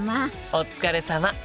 お疲れさま！